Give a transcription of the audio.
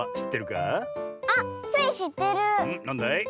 なんだい？